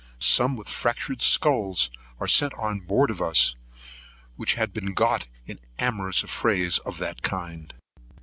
Some with fractured skulls were sent on board of us, which had been got in amorous affrays of that kind.